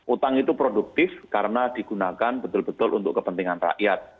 utang itu produktif karena digunakan betul betul untuk kepentingan rakyat